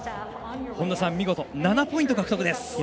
本田さん、見事７ポイント獲得です。